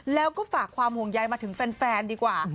แล้วก็ฝากความห่วงใยมาถึงแฟนดีกว่า